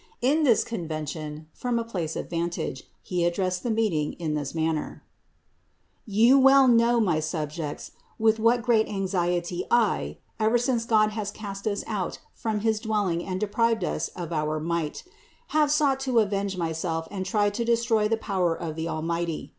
In this convention, from a place of vantage, he addressed the meeting in this manner : "You well know, my subjects, with what great anxiety I, ever since God has cast us out from his dwell ing and deprived us of our might, have sought to avenge myself and tried to destroy the power of the Almighty.